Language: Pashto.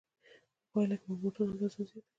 په پایله کې به د بوټانو اندازه زیاته شي